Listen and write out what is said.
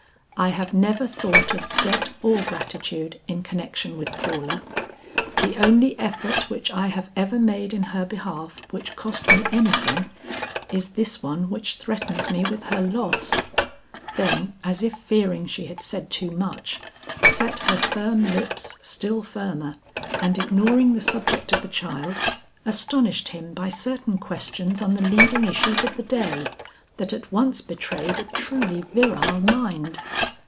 "I have never thought of debt or gratitude in connection with Paula. The only effort which I have ever made in her behalf which cost me anything, is this one which threatens me with her loss." Then as if fearing she had said too much, set her firm lips still firmer and ignoring the subject of the child, astonished him by certain questions on the leading issues of the day that at once betrayed a truly virile mind.